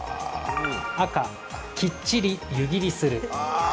赤・きっちり湯切りする。